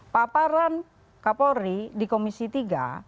paparan kapolri di komisi tiga